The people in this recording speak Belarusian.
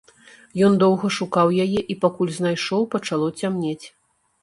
Ён доўга шукаў яе, і пакуль знайшоў, пачало цямнець.